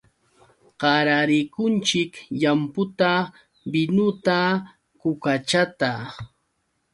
Qararikunchik llamputa, binuta, kukachata.